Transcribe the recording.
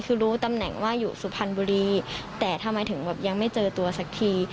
คือรู้ตำแหน่งว่าอยู่สุพรรณบุรีแต่ทำไมถึงแบบยังไม่เจอตัวสักที